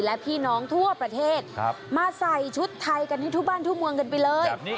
และพี่น้องทั่วประเทศมาใส่ชุดไทยกันให้ทุกบ้านทั่วเมืองกันไปเลย